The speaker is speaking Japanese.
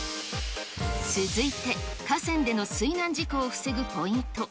続いて河川での水難事故を防ぐポイント。